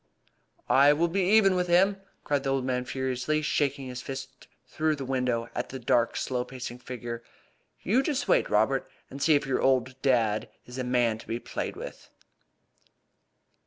"I will be even with him!" cried the old man furiously, shaking his fist through the window at the dark slow pacing figure. "You just wait, Robert, and see if your old dad is a man to be played with."